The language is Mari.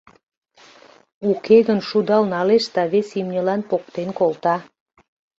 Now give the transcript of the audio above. — Уке гын шудал налеш да вес имньылан поктен колта.